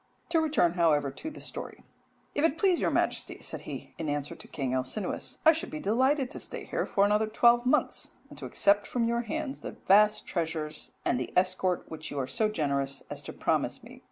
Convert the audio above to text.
To return, however, to the story "If it please your Majesty," said he, in answer to King Alcinous, "I should be delighted to stay here for another twelve months, and to accept from your hands the vast treasures and the escort which you are go generous as to promise me.